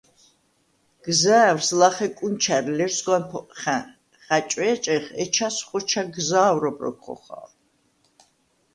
გზა̄̈ვრს ლახე კუნჩა̈რ ლერსგვან ფოყხა̈ნ ხა̈ჭვე̄ჭეხ, ეჩას ხოჩა გზა̄ვრობ როქვ ხოხალ.